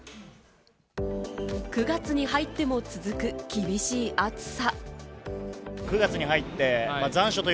９月に入っても続く、厳しい暑さ。